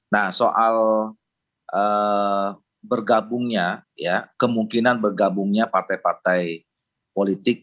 nah soal bergabungnya ya kemungkinan bergabungnya partai partai politik